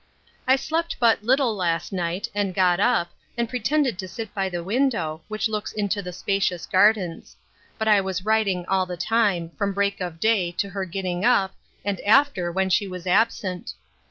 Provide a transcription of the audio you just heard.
I slept but little last night, and got up, and pretended to sit by the window, which looks into the spacious gardens; but I was writing all the time, from break of day, to her getting up, and after, when she was absent.